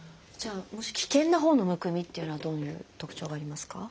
危険なほうのむくみっていうのはどういう特徴がありますか？